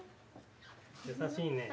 優しいね。